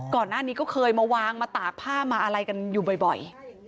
ก่อนหน้านี้ก็เคยมาวางมาตากผ้ามาอะไรกันอยู่บ่อย